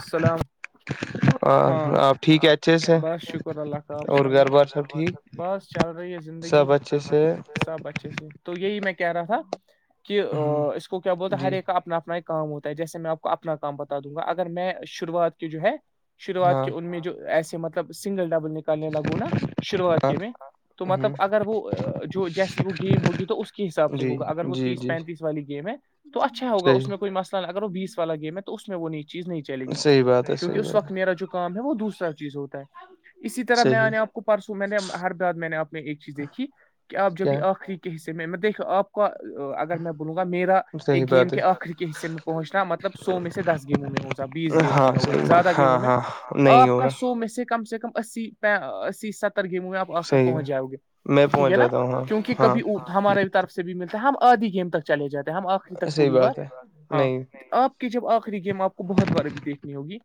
السلام اور آپ ٹھیک ہے اچھے سے اور گھر بار سب ٹھیک بس چل رہی ہے زندگی سب اچھے سے تو یہی میں کہہ رہا تھا کہ اس کو کیا بولتا ہر ایک آپ اپنا اپنا کام ہوتا ہے جیسے میں آپ کو اپنا کام بتا دوں گا اگر میں شروعات کے جو ہے شروعات کے ان میں جو ایسے مطلب سنگل ڈبل نکالنے لگوں نا شروعات کے میں تو مطلب اگر وہ جو جیسی وہ گیم ہوگی تو اس کے حساب سے ہوگا اگر وہ تیس پینتیس والی گیم ہے تو اچھا ہوگا اس میں کوئی مسئلہ نہیں اگر وہ بیس والا گم ہے تو میں وہ ن چیز نہیں چلے گی کیونکہ اس وقت میرا جو کام ہے وہ دوسرا چیز ہوتا ہے اسی طرح میں نے آپ کو پرسوں میں نے ہر بعد میں نے آپ نے ایک چیز دیکھی کہ آپ جو بھی آخری کے حصے میں دیکھ آپ اگر میں بولوں گا میرا ایک گیم کے آخر کے حصے میں پہنچنا مطلب سو میں سے دس گیموں میں ہوگا بیس گیموں میں ہوگا زیادہ گیموں میں آپ کا سو میں سے کم سے کم اسی اسی ستر گیموںئے آپ آ کر پہنچ جاؤ گے ٹھیک ہے نا کیونکہ کبھی ہمارے طرف سے بھی ملتا ہے ہم آدھی گیم تک چلے جاتے ہیں ہم آخری تک پوری بار ہاں اب کہ جب آخری گیم آپ کو بہت بار ابھی دیکھنی ہوگی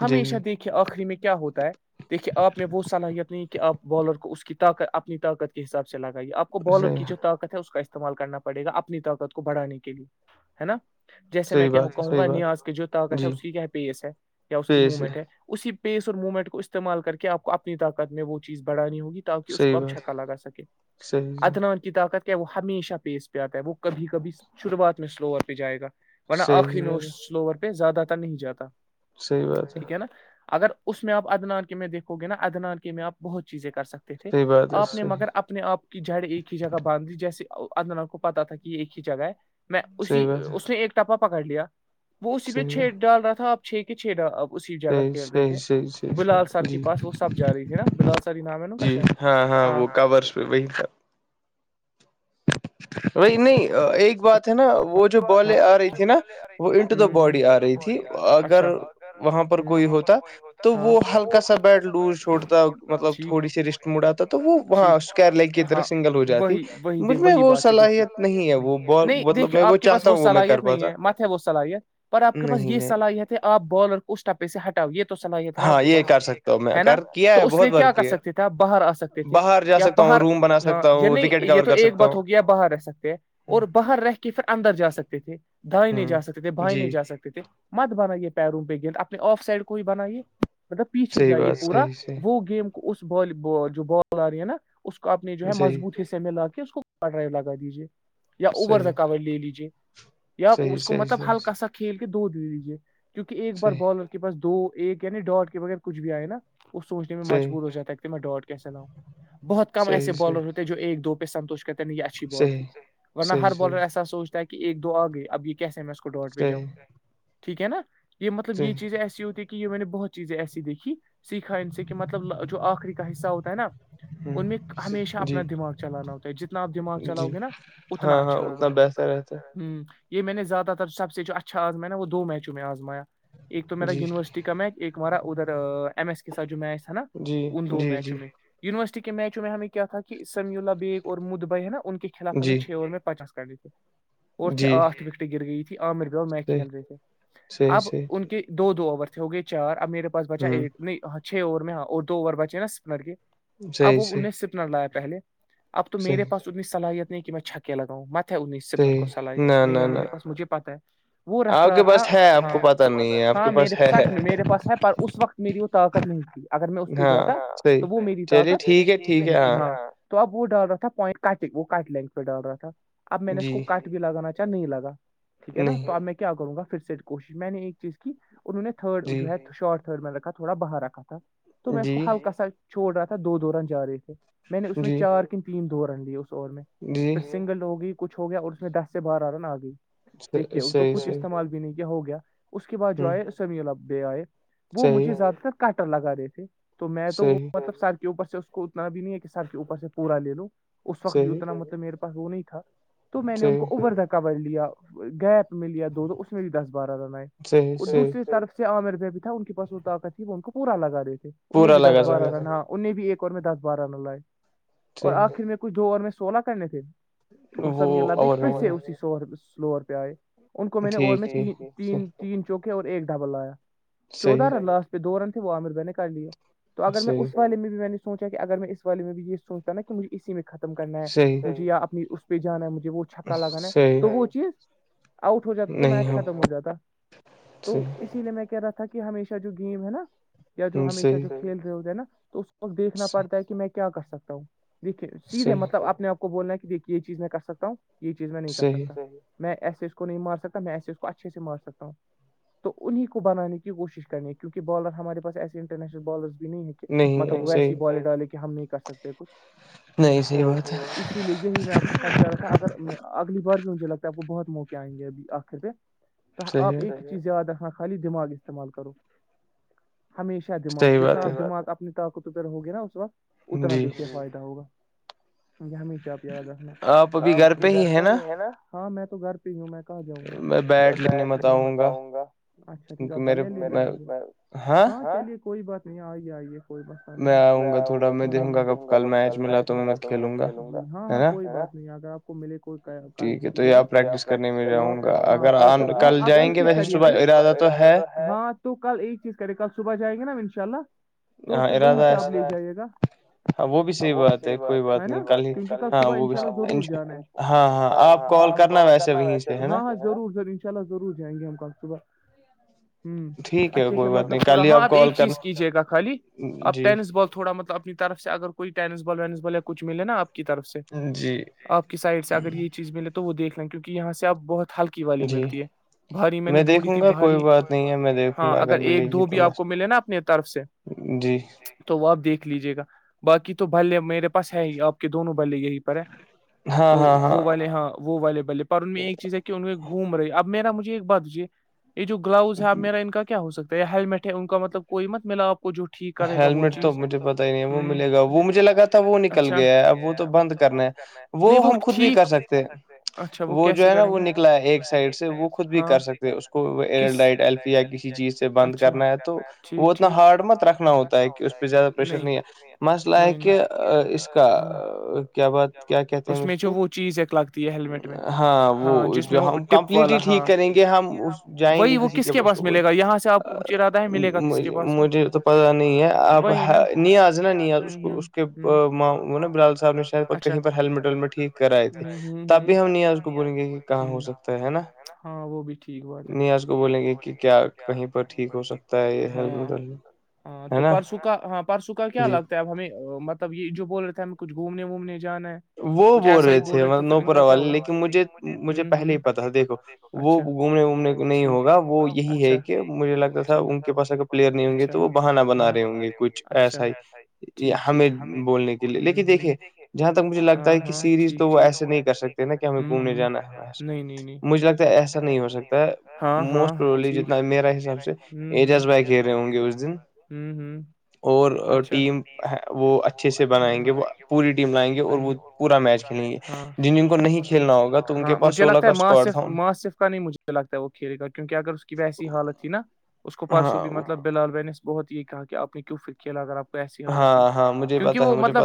ہمیشہ دیکے آخری میں کیا ہوتا ہے دیکھیے آپ نے وہ صلاحیت نہیں کہ آپ بالر کو اس کی طاقت اپنی طاقت کے حساب سے لگائیے آپ کو بالر کی جو طاقت ہے اس کا استعمال کرنا پڑے گا اپنی طاقت کو بڑھانے کے لیے ہے نا جیسے میں کیا کہوں گا نیاز کی جو طاقت ہے اس کی کیا پیس ہے یا اس کی مومنٹ ہے اسی پیس اور موومنٹ کو استعمال کر کے آپ کو اپنی طاقت میں وہ چیز بڑھانی ہوگی کہ اس کو اپ چھکا لگا سکیں ادنان کی طاقت کیا ہے وہ ہمیشہ پیس پہ آتا ہے وہ کبھی کبھی شروعات میں سلوور پہ جائے گا نہ آخ ن سلوور پہ زیادہ تر نہیں جاتا ٹھیک ہے نا اگر اس میں آ ادنان کے میں دیکھو گے نا ادنان کے میں آپ بہت چیزیں کر سکتے تھے آپ نے مگر اپ اپنے آپ کی جڑ ایک ہی جگہ باندھ دی جیسے اندنا کو پتا تھا کہ یہ ایک ہی جگہ ہے میں اسی اس نے ایک ٹپا پکڑ لیا وہ اسی پہ چھی ڈال رہا تھا اپ چھے کے چھ ڈ اب اسی جگہ کھیل رہے تھے بلال سر کے پاس وہ سب جا رہی تھی نا بلال سر ہی نام ہے نا کا شید ہاں ہاں وہ کورس پہ وہی تھا وہی نہیں ایک بات ہے نا وہ جو بالیں آ رہی تھی نا وہ انٹو دا باڈی آ رہی تھی اگر وہاں پر کوئی ہوتا تو وہ ہلکا سا بیٹ لوز چھوڑتا مطلب تھوڑی سی رس موڈ آتا تو وہاں اسکوائر لیگ کی طرح سنگل ہو جاتی مجھے میں وہ صلاحیت نہیں ہے وہ ب مطلب آپ کے پاس وہ صلاحیت نہیں ہے مت ہے وہ صلاحیت پر آپ کے پس یہ صلاحیت ہے آپ بالر کو ٹپ سے ہٹاؤ یہ تو صلاحی تھا نا آپ کے پاس ہے نا تو اس لیے کیا کر سکتے تھے آپ باہر آ سکتے تھے یا باہر ہاں نہیں یہ تو ایک بات ہوگی یا باہر رہ سکتے ہیں اور باہر رہ کے پھر اندر جا سکتے تھے دھائائی نہیں جا سکتے تھے بھائی نہیں جاے سکتے تھے مت بنائیے پیروم پہ گیند اپنے آف سائڈ کو ہی بنائیے مطلب پیچھے جائی پورا وہ گیم کو اس جو بالر ہے نا اس کو آ نے جو ہے مضبوط حصے میں لا کے اس کو ک ڈرو لگا دیجیے یا اوور دک لے لیجیے یا اس کو مطلب ہلکا سا کھیل کے دو دے دیجے کیونکہ ایک بار بالر کے پاس دو ایک یعنی ڈاٹ کے بغیر کچھ بھی آئے نا وہ سوچنے میں مجبور ہو جاتا ہے کہ میں ڈاٹ کیسے لاؤں بہت کم ایسے بالر ہوتے جو ایک دو پہ ستوش کرتے ہیں ن یہ اچھی بال تھی ورنہ ہر بالر ایسا سوچتا ہے کہ ایک دو آ گئی اب یہ کیسے میں اس کو ڈاٹ پہ جاؤں ٹھیک ہے نا یہ مطلب یہ چییں ایسی ہوتی کہ کہ یہ میں نے بہت چیزیں ایسی دیکھی سیکھا ان سے کہ مطلب جو آخری کا حصہ ہوتا ہے نا ان میں ہمیشہ اپنا دماغ چلانا ہوتا ہے جتنا آپ دماغ چلاؤ گے نا اتنا اچھا ہوگا انا بہر ہوں یہ میں نے زیادہ تر سب سے جو اچھا آزما وہ دو میچوں میں آزمایا ایک تو میرا یونیورسٹی کا میچ ایک مارا ادھر ایم ایس کے ساتھ جو میچ ہے نا ان دو میچوں میں یونیورسٹی کے میچوں میں ہمیں کیا تھا کہ سمیولا بیگ اور مدھبئی ہے نا ان کے کیا خلاف ہمیں چھ اوور میں پچاس کر لی اور تھے آٹھ وکٹیں گر گئی تھی عامر ب میں کھیل رہے تھے اب ان کے دو دو اوور تھے ہوگے چار اب میرے پاس بچا ایک نہیں ہاں چھ اوور میں ہاں اور دو اوور بچے نا اسپنر کے اب وہ ان نے سپن لایا پہلے اب تو میرے پاس تنی صلاحیت نہیں کہ میں چھک لگؤں مت ہے انیس سدمت کو صلاحیت نہیں ہے میرے پاس مجھے پتا ہے وہ رکھ رہا تھا ہاں ہاں میرے سھ میں میرے پاس ہے پر اس وقت میری وہ طاقت نہیں کی اگر میں اس پہ جاتا تو وہ میری طاقت ہاں اب وہ ڈال رہا تھا پوائنٹ کاٹ وہ کاٹ لینھ پہ ڈال رہا تھا اب میں نے اس بھی لگانا چ نہیں لگا ٹھیک ہے نا تو اب میں کیا کروں گا پھر سے کوشش میں نے ایک چیز کی انہوں نے تھرڈ جو ہے شارٹ تھرڈ میں رکھا تھوڑا باہر رکھا تھا تو میں اس کو ہلکا سا چھوڑ رہا تھا دو دورن جا رہی تھے میں نے اس میں چار کن تین دورن لیے اس اور میں پھر سنگل ہوگئی کچھ ہو گیا اور اس میں دس سے بارہ رن آ گئی دیکھیے تو کچھ استعمال بھی نہیں کیا ہو گیا اس کے بعد جو آئے سمیع ال ابے آئے وہ مجھے زیادہ تر کاٹر لگا رہے تھے تو میں تو وہ مطلب ساد اوپر سے اس کو اتنا بھی نہیں ہے کہ سر کے اوپر سے پورا لے لو اس وقت بھی اتنا مطلب میرے پاس وہ نہیں تھا تو میں نے ان کو اوور دا کور لیا گیپ میں لیا دو دو اس میں بھی دس بارہ تھا م دوسری طرف سے عامر بھی بھی تھا ان کی پسوں طاقت تھی وہ ان کو پورا لگا دیے تھے انہیں بھی دسوا رہ نا ان نے بھی ایک اور میں دس بارہ لو لائے اور آخر میں کچھ دو اور میں سولہ کرنے تھے اسب پھر سے اسی سلور پہ آئے ان کو میں نے اور میں ت تین تین چوکے اور ایک ڈھبل لایا چودہ رن لاسٹ پہ دو رن تھے وہ عامر بہ نے کر لیے تو اگر میں اس والے میں بھی میں نے سوچا کہ اگر میں اس والے میں بھی یہ سوچتا ن کہ مجھے اسی میں ختم کرنا ہے مجھے یا اپنی اس پہ جانا ہے مجھے وہ چھکا لگانا ہے تو وہ چیز آؤٹ ہو جاتا تو میچ ختم ہو جاتا تو اسی لیے میں کہہ رہا تھا کہ کہ ہمیشہ جو گیم ہے نا یا جو ہمیشہ جو کھیل رہے ہو نا تو دیکھنا پڑتا ہے کہ میں کیا کر سکتا ہوں دیکھیے سیدھے مطلب اپنے آپ کو بولنا ہے کہ دیکھیے یہ چیز میں کر سکتا ہوں یہ چیز میں نہیں کر سکتا میں ایسے اس کو نہیں مار سکتا میں ایسے اس کو اچھے سے مار سکتا ہوں تو انہیں کو بان کی کوشش کرنی گ کیونکہ بالر ہمارے پاس ایسے انٹرنیشنل بالرس بھی نہیں ہے مطلب وہ ایسی بال ڈالے کہ ہم نہیں کر سکتے کچھ اسی لیے یہی میں آپ کو سمھا رہا تھا اگر اگلی بار بھی مجھے لگتا ہےپ کو بہت موقےئیں گے اب آخر پہ تو آپ ایک ہی چیز یاد رکھنا خالی دماغ استعمال کرو ہمیشہ اچا دماغ جتنا دماغ اپنی طاقت پ ہوگے نا اس وقت اتنا دیک کے فائدہ ہوگا ج ہمیشہ پ یاد ہے آپ ابھی گھر پہ ہی ہیں نا ہاں میں تو گھر پ ہی ہوں میں کہاں جاؤں گا میں بیٹھ لینے بتاؤں گا اچھا ٹھیک ہے آپ بلے لے جائیں گے ہاں چلیے کوئی بات نہیں آئیے آئیے کوئی مس نہیں میں آؤں گا تھوڑا میں دیکوں گا کب کل میچ ملا تو میں کھیلوں گا ہاں ہاں کوئی اگر آپ کو ملے کوئی کل کسی جگہ تو پرٹ کرنے میں ہاں تو کل ایک چیز کرے کل صبح جائے گی نا ان شاء اللہ تو پھر وہ سے آپ لے جائیے گا وہ بھیحی بات ہے نا کیک ک صبح ضرور جانے ہاں ہاں آپ کال کرنا ویس بھی ہاں ضور ض ان شاءلہ ضرور جائیں گ ہم کب صبح ہوں اچھے سے مطلب تھوڑا ہاں آپ ایک چیز کیجیے گا خالی اب ٹینس بال تھوڑا مطلب اپنی طرف سے اگر کوئی ٹینس بال وینس بال یا کچھ ملے نا آپ کی طرف سے [inaudible] آپ کی سائڈ سے اگر یہ چیز ملے تو وہ دیکھ لیں کیونکہ یہاں سے آب بہت ہلکی والی ملتی ہے بھاری میں نے ڈھونڈی تھی بھاری ہاں اگر ایک دو بھی آپ کو ملے نا اپنے طرف سے جی تو وہ آپ دیکھ لیجیے گا باقی تو بھلے میرے پاس ہے ہی آپ کے دونوں بھلے یہی پر ہے تو وہ والے ہاں وہ والے بلے پرن میں ایک چیز ہے ان گھوم رہی اب میرا مجھے ایک بات دیجیے یہ جو گلاؤز ہے اب میرا ان کا کیا ہوکتا یا ہیللمٹ ہے ان کا مطلب کوئی مت ملا آپ کو ہیللمٹ تو مجھے پتتا ہی نہیں ہے وہ ملے گا وہ مجھے لگا تھا وہ نکل گیا ہے اب وہ تو بند کر وہ ہم خود بھی کر سکتے وہ جو ہے نا وہ نکلا ہے ایک سائڈ سے وہ خود بھی کر سکتے ہیں اس کو ایئر ڈائٹ ایفی یا کسی چیز سے بند کرنا ہے تو وہ اتنا ہارڈ مت رکھنا ہوتا ہے کہ اس پہ زیادہ پریشر نہیں ہے مسئلہ ہے کہ اس کا کیا بات کیا کہتے ہیں اس کو ہاں وہ جو ہم کمپلیٹلی ٹھیک کریں گے ہم اس جائیں گے کسی کے بسوں بول مجھے تو پتا نہیں ہے آپ نیاز نا نیاز کو اس کے نا بلال صاحب نے کہیں پر ہیلمٹ وللمٹھیک کر رہے تھے تب بھی ہم نہیں اس کو بولیں گے کہ کہاں ہو سکتا ہے نا ہاں وہ بھی ٹھیک ہو نیاز کو بولیں گے کہ کیا کہیں پر ٹھیک ہو سکتا ہے یہ ہیللمٹ وٹ ہاں تو پرسوں کا ہاں پرسوں کا کیا لگتا ہے اب ہمیں مطلب یہ جو بول رہے تھے ہمیں کچھ گھومنے وومنے نے جانا ہے وہ بول رہے تھے مطب نو پورہ والے لیکن مجھے مجھے پہلے ہی پتا تھا دیکھو وہ گھومنے وومنے کو نہیں ہوگا وہ یہی ہے کہ مجھے لگتا تھا ان کے پاس اگر پلیئر نہیں ہوں گے تو وہ بہانا بنا رہے ہوں گے کچھ ایسا ہی ہمیں بولنے کے دیکھے مجھے لگتا ہے کہ سیریز تو وہ ایسے نہیں کر سکتے نا کہ ہمیں گھومنے جانا ہے ایسا مجھے لگتا ہے ایسا نہیں ہو سکتا ہے موسٹ پرلی جتنا میرا حساب سے ایجز وائ گھیرے ہوں گے اس دن ہوں ہوں اور ٹیم وہ اچھے سے بنائیں گے وہ پوری ٹیم لائیں گے اور وہ پورا میچ کھیلیں گے جن جن کو نہیں کھیلنا ہوگا تو ان کے پاس سولہ کا اسکوڈ تھا صف کا نہیں مجھے لگتا ہے وہ کھیلے کا کیونکہ اگر اس کی ویسی حالت تھی نا اس کو پرسوں بھی مطلب بلال بہنس بہت یہ کہا کہ آپ نے کیوں پھر کھیلا اگر آپ کو ایسی حالت کیونکہ وہ مطلب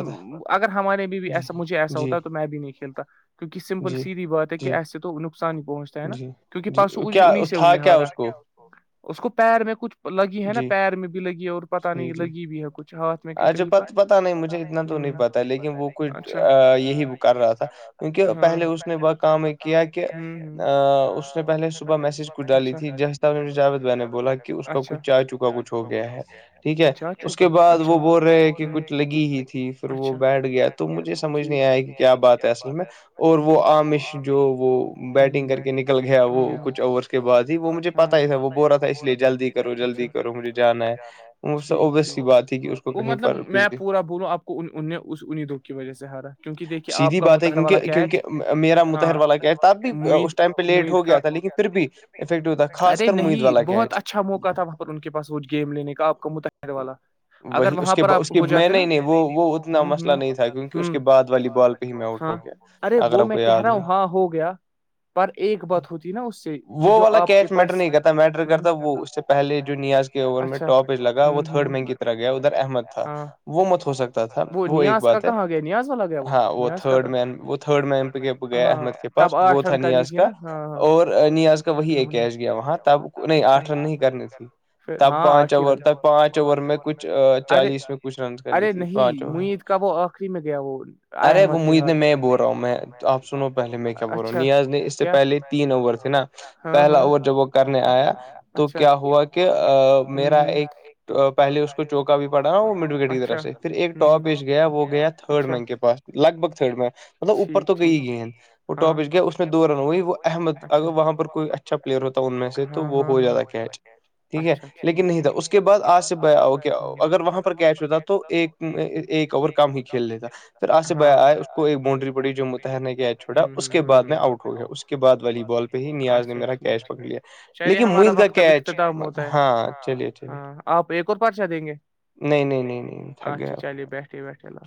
اگر ہمارے بھی ایسا مجھے ایسا ہوتا تو میں بھی نہیں کھیلتا کیونکہ سمپل سیدھی بات ہے کہ ایسے تو نقصان ہی پہنچتا ہے نا کیک پاسو انی سے انہیں ہارا اس کو پیر میں کچھ لگی ہے نا پیر میں بھی لگی ہے اور پتہ نہیں لگی بھی ہے کچھ ہاتھ میں کن کہیں پر لیکن وہ کچھ یہی وہ کر رہا تھا کیونکہ پہلے اس نے کام ایک کیا کہ اس نے پہلے صبح میسج کوچ ڈالی تھی جس جاوید نے بولا کہ اس کچھ چا چکا کچھ ہو گیا ہے ٹھیک ہے اس کے بعد وہ بول رہے ہیں کہ کچھ لیکن گی ہی تھی پھر وہ بیٹھ گیا تو مجھے سمجھ نہیں آیا کہ کیا بات ہے اصل میں اور وہ آامش جو وہ بیٹنگ کر کے نکل گیا وہ کچھ اوورس کے بد ہی وہ مجھے پتا ہی تھا وہ بو رہا تھا اس لیے جلدی کرو جلدی کرو مجھے جانا ہے مج اویسلی بات ہے کہ اس کو کہیں پر بزی بولوں آپ کو انیں اس انیں دوگ کی وجہ سے ہارا ہے کیوںک کہ دیکھیے آپ کا متر والا کیچ ہاںید مید کا ہو گیا ارے نہیں بہت اچھا موقع تھا وہاں پر ان کے پاس وہ گیم لینے کا آپ کا مہ والا وہی اس کے اس کی میں ہی نہیں وہ وہ اتنا مسئلہ نہیں تھا کیونکہ اس کے بعد والی بال پہ ہی میں آؤٹ ہو گیا اگر آپ کو یاد ہو وہ والا کیچ میٹر نہیں کرتا میٹر کرتا وہ اس سے پہلے جو نیاز کا اوور میں ٹپ پج لگ وہ تھرڈ مینک کی طرح گیا ادھر احمد تھا وہ مت ہو سکتا تھا وہ ایک بات ہے ہاں وہ تھرڈ مین وہ تھرڈ مین پہ گئے احمد کے پاس وہ تھا نیاز کا اور نیاز کا وہی ایک کیچ گیا وہاں تب نہیں آٹھ رن نہیں کرنی تھی تب پانچ اوور تب پانچ اوور میں کچھ چالیس میں کچھ رن کرنی تھی پانچ اوور کا وہ آخری میں گیا وہ ارے وہ مجھ نہیں میں بول رہا ہوں میں آپ سنو پہلے میں کیا بول رہا ہوں نیاز نے اس سے پہلے تین اوور تھے نا پہلا اوور جب وہ کرنے آیا تو کیا ہوا کہ میرا ایک پہے اس کو چوکا بھی پڑا نا وہ مڈ وکٹ کی طرف سے پھر ایک ٹاپ ایج گیا وہ گیا تھرڈ بینک کے پاس لگ بھگ تھرڈ میں مطلب اوپر تو گئی گیند وہ ٹاپچ گیا اس میں دو رن ہوئی وہ احمد اگر وہاں پر کوئی اچھا پلیئر ہوتا ان میں سے تو وہ ہو جاتا کیچ ٹھیک ہے لیکن نہیں تھا اس کے بعد آج سے اک اگر وہاں پر کیش ہوتا تو ایک ایک اور کام ہی کھیل ل تھا [unintelligible] پھر آ سے ب آئے اس کو ایک باونڈری پڑی جو متحر نے گ چھوڑا اس کے بعد میں آؤٹ ہو گیا اس کے [unintelligible] بعد والی بال پہ ہی نیاز نے میرا کیچ پکڑ لیا لیکن محید کا کیچ ہاں چلیے [inaudible] آپ ایک اور پرچہ دیں گے نہیں نہیں نہیں نہیں اچھا چلیے بیٹھ بیٹھ اللہ